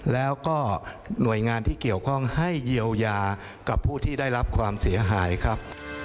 แล้วก็หน่วยงานที่เกี่ยวข้องให้เยียวยากับผู้ที่ได้รับความเสียหายครับ